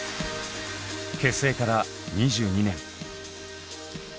結成から２２年。